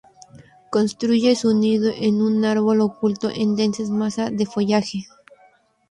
Construye su nido en un árbol, oculto en densas masa de follaje.